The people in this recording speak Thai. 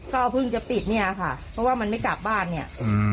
ก็เพิ่งจะปิดเนี่ยค่ะเพราะว่ามันไม่กลับบ้านเนี่ยอืม